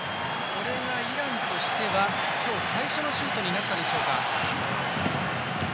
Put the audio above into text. これがイランとしては今日最初のシュートとなったでしょうか。